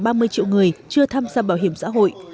khoảng ba mươi triệu người chưa tham gia bảo hiểm xã hội